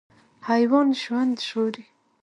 حیوان ژوند ژغوري.